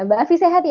mbak afi sehat ya